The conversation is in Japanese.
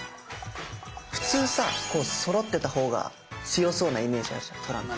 普通さこうそろってた方が強そうなイメージあるじゃんトランプ。